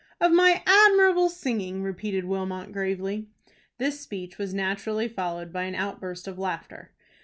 "Of my admirable singing," repeated Wilmot, gravely. This speech was naturally followed by an outburst of laughter.